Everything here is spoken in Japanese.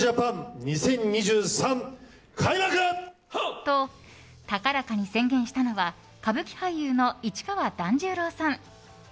と、高らかに宣言したのは歌舞伎俳優の市川團十郎さん。